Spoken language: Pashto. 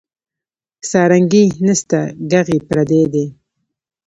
سارنګۍ نسته ږغ یې پردی دی